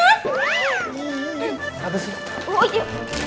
jorok lihat disemutnya